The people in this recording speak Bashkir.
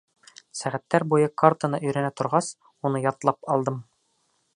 Сәғәттәр буйы картаны өйрәнә торғас, уны ятлап алдым.